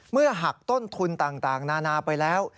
หักต้นทุนต่างนานาไปแล้ว